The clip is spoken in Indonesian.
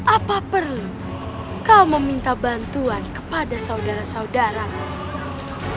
apa perlu kau meminta bantuan kepada saudara saudaramu